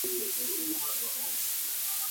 এই মেয়েটাকে তুই কতটুকু চিনিস?